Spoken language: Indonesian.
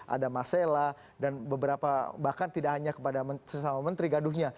ada masela dan beberapa bahkan tidak hanya kepada sesama menteri gaduhnya